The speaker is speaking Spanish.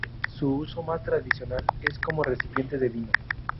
Su uso más tradicional es como recipiente de vino.